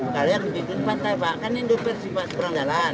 kalau yang di bibiran pantai pak kan ini duper sih pak seberang jalan